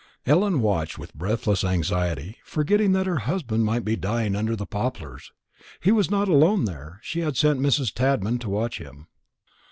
Ellen watched with breathless anxiety, forgetting that her husband might be dying under the poplars. He was not alone there; she had sent Mrs. Tadman to watch him.